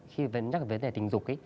khi em nói về tình dục ý